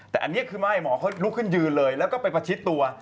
แต่อันนี้คือไม่หมอเขาลุกขึ้นยืนเลยแล้วก็ไปประชิดตัว